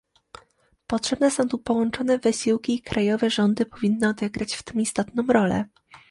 Potrzebne są tu połączone wysiłki i krajowe rządy powinny odegrać w tym istotną rolę